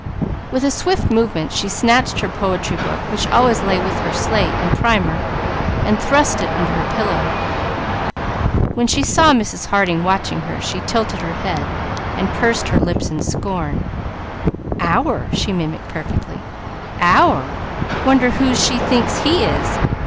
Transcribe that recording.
With a swift movement she snatched her poetry book, which always lay with her slate and primer, thrusting it under her pillow; when she saw Mrs. Harding watching her she tilted her head and pursed her lips in scorn: "'Our!'" she mimicked. "'Our!' Wonder whose she thinks he is?